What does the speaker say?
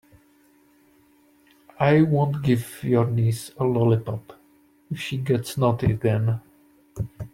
I won't give your niece a lollipop if she gets naughty again.